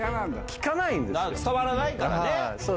伝わらないからね。